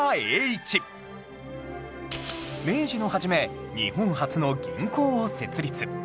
明治の初め日本初の銀行を設立